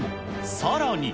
さらに。